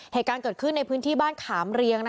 เหตุการณ์เกิดขึ้นในพื้นที่บ้านขามเรียง